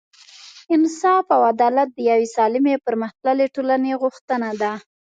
انصاف او عدالت د یوې سالمې او پرمختللې ټولنې غوښتنه ده.